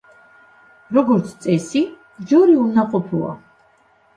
როგორც წესი, ჯორი უნაყოფოა.